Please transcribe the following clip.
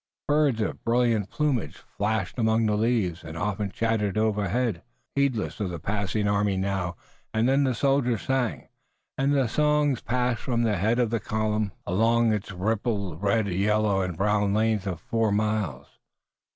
Birds of brilliant plumage flashed among the leaves and often chattered overhead, heedless of the passing army. Now and then the soldiers sang, and the song passed from the head of the column along its rippling red, yellow and brown length of four miles.